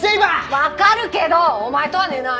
わかるけどお前とは寝ない。